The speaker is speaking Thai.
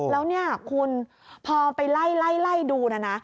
แล้วเนี่ยคุณพอไปไล่ดูนะนะ